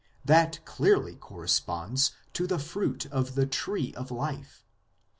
That clearly corre sponds to the fruit of the Tree of Life.